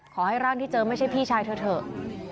ขอให้ร่างที่เจอไม่ใช่พี่ชายเธอเถอะ